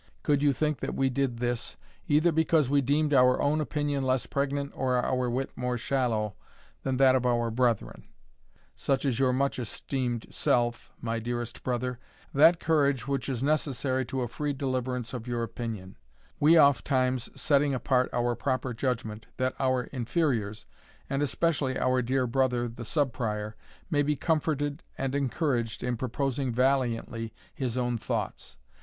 Nevertheless, grieved would we be, could you think that we did this, either because we deemed our own opinion less pregnant, or our wit more shallow, than that of our brethren. For it was done exclusively to give our younger brethren, such as your much esteemed self, my dearest brother, that courage which is necessary to a free deliverance of your opinion, we ofttimes setting apart our proper judgment, that our inferiors, and especially our dear brother the Sub Prior, may be comforted and encouraged in proposing valiantly his own thoughts.